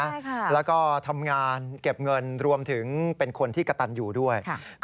ใช่ค่ะแล้วก็ทำงานเก็บเงินรวมถึงเป็นคนที่กระตันอยู่ด้วย